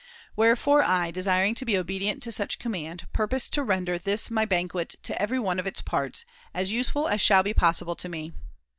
Wherefore I, desiring to be obedient to such command, purpose to render this my banquet in every one of its parts as useful as shall be possible to me.